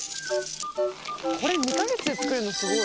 これ２カ月で作るのすごい。